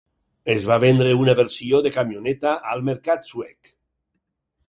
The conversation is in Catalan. Es va vendre una versió de camioneta al mercat suec.